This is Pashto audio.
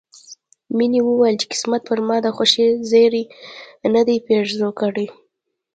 مينې وويل چې قسمت پر ما د خوښۍ زيری نه دی پيرزو کړی